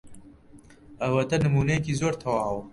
ئەوەتە نموونەیەکی زۆر تەواو.